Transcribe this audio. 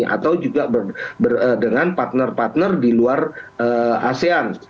atau juga dengan partner partner di luar asean